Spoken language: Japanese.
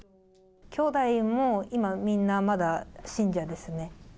きょうだいも今みんなまだ信者ですね。